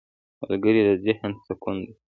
ملګری د ذهن سکون دی